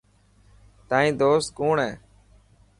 تائن دوست ڪوڻ هي.